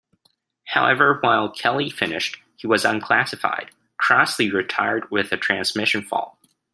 However, while Kelly finished, he was unclassified; Crossley retired with a transmission fault.